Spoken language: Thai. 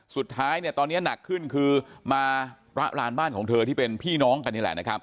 สุดท้ายเนี่ยตอนนี้หนักขึ้นคือมาระลานบ้านของเธอที่เป็นพี่น้องกันนี่แหละนะครับ